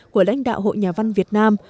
của lãnh đạo hội nhà văn việt nam